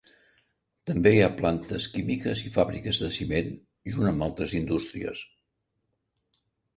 També hi ha plantes químiques i fàbriques de ciment, junt amb altres indústries.